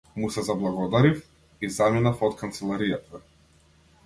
Му се заблагодарив и заминав од канцеларијата.